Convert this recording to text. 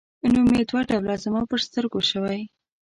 نوم یې دوه ډوله زما په سترګو شوی.